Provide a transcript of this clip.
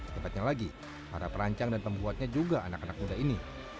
tepatnya lagi para perancang dan pembuatnya juga anak anak muda ini